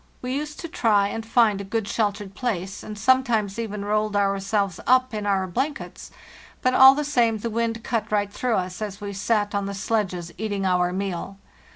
We use to try and find a good sheltered place, and sometimes even rolled ourselves up in our blankets, but all the same the wind cut right through us as we sat on the sledges eating our meal.